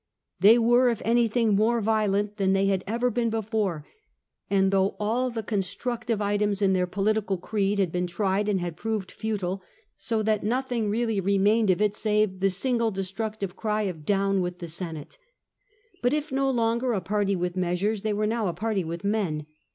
They were, if anything, more violent than they had ever been before, though all the constructive items in their political creed had been tried and had proved futile, so that nothing really remained of it save the single destructive cry of ''Down with the Senate." Butif nolonger a party with measures, they were now a party with men.